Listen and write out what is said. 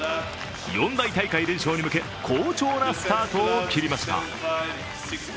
四大大会連勝に向け好調なスタートを切りました。